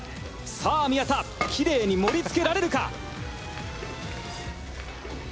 さあ宮田キレイに盛り付けられるか？